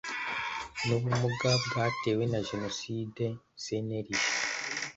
n ubumuga bwatewe na jenoside cnlg